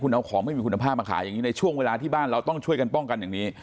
เอาของไม่มีคุณภาพมาขายอย่างนี้ในช่วงเวลาที่บ้านเราต้องช่วยกันป้องกันอย่างนี้